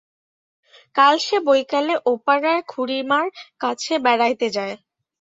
কাল সে বৈকালে ওপাড়ার খুড়িমার কাছে বেড়াইতে যায়।